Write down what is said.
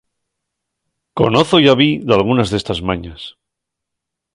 Conozo ya vi dalgunas d'estas mañas.